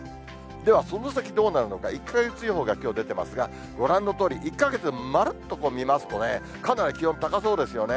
では、その先はどうなるのか、１か月予報がきょう出てますが、ご覧のとおり１か月まるっと見ますとね、かなり気温高そうですよね。